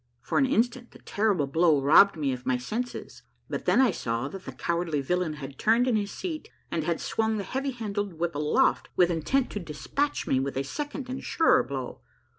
For an instant the terrible blow robbed me of my senses, but then I saw that the cowardly villain had turned in his seat and had swung the heavy handled whip aloft with intent to de spatch me with a second and a surer blow.